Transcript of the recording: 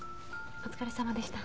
お疲れさまでした。